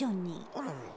あらら。